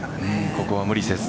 ここは無理せず。